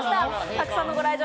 たくさんのご来場